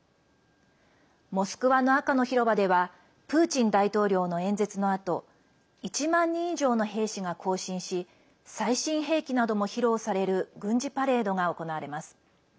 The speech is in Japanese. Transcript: モスクワの赤の広場ではプーチン大統領の演説のあと１万人以上の兵士が行進し最新兵器なども披露される軍事パレードが行われます。